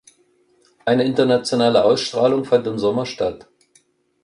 Eine internationale Ausstrahlung fand im Sommer statt.